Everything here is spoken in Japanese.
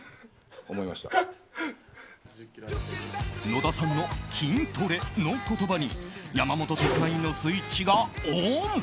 野田さんの筋トレの言葉に山本特派員のスイッチがオン。